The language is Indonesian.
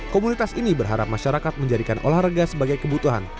komunitas ini berharap masyarakat menjadikan olahraga sebagai kebutuhan